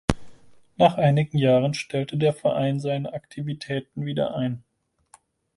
Nach einigen Jahren stellte der Verein seine Aktivitäten wieder ein.